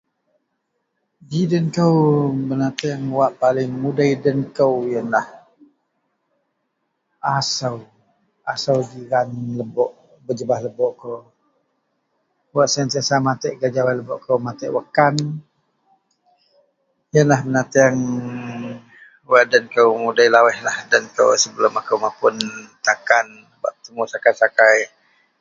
Ji den kou benateang wak paling mudei den kou yenlah asou, Asou jiran lebok, bah jebah lebok kou. Wak sentiasa matek gak jawai lebok kou, matek wakkan. Yenlah benateang wak den kou mudei lawuih lah den kou sebelum akou mapun takan bak petemu sakai-sakai